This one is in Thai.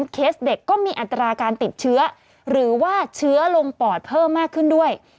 เคสเด็กก็มีอัตราการติดเชื้อหรือว่าเชื้อลงปอดเพิ่มมากขึ้นด้วย